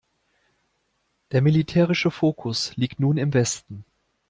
Der militärische Fokus liegt nun im Westen.